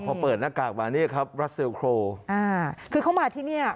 พอเปิดหน้ากากมาเนี่ยครับรัสเซลโครอ่าคือเข้ามาที่เนี้ย